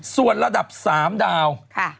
ส่วนระดับ๓ดาว